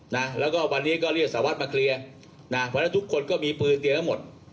นะแล้วก็วันนี้ก็เรียกสารวัตรมาเคลียร์นะเพราะฉะนั้นทุกคนก็มีปืนเตรียมทั้งหมด